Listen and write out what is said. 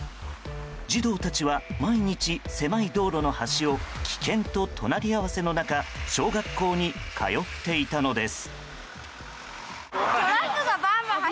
児童たちは毎日、狭い道路の端を危険と隣り合わせの中小学校に通っていたのです。